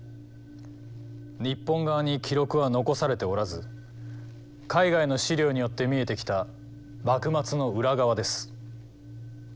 日本側に記録は残されておらず海外の史料によって見えてきた幕末の裏側です。